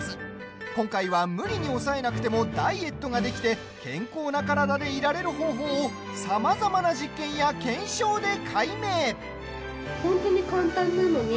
今回は、無理に抑えなくてもダイエットができて健康な体でいられる方法をさまざまな実験や検証で解明。